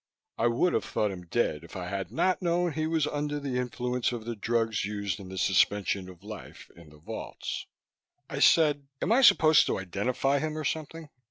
I would have thought him dead if I had not known he was under the influence of the drugs used in the suspension of life in the vaults. I said: "Am I supposed to identify him or something?"